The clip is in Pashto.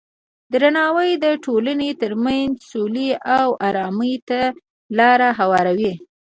درناوی د ټولنې ترمنځ سولې او ارامۍ ته لاره هواروي.